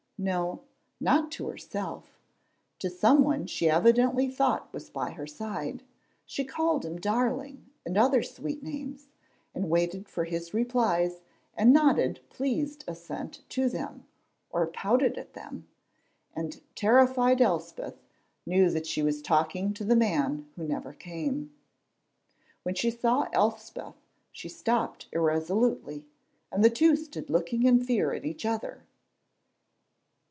No, not to herself to someone she evidently thought was by her side; she called him darling and other sweet names, and waited for his replies and nodded pleased assent to them, or pouted at them, and terrified Elspeth knew that she was talking to the man who never came. When she saw Elspeth she stopped irresolutely, and the two stood looking in fear at each other.